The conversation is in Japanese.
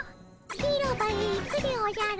広場へ行くでおじゃる。